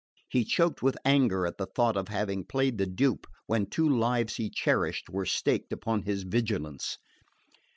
He choked with anger at the thought of having played the dupe when two lives he cherished were staked upon his vigilance...